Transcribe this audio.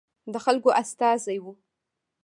د خلکو استازي وو.